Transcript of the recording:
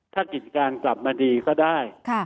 ถ้ากิจการกลับมาดีก็ได้